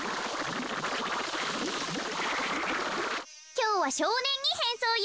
きょうはしょうねんにへんそうよ。